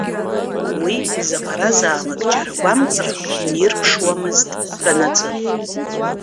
Уи изаҟаразаалак џьара гәамҵрак инирԥшуамызт, дтәанаҵы.